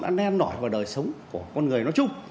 đã nên nổi vào đời sống của con người nói chung